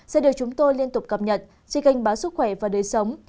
sẽ được chúng tôi liên tục cập nhật sẽ kênh báo sức khỏe và đời sống